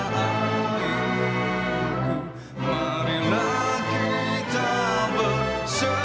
bangunlah jiwa yang bangga padanya